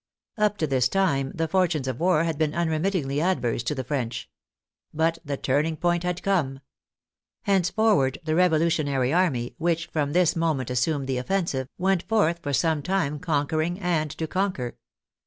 Up to this time the fortunes of war had been unremittingly adverse to the French. But the turning point had come. Henceforward the revolutionary army, which from this moment as sumed the offensive, went forth for some time conquer 47 4^ THE FRENCH REVOLUTION ing and to conquer.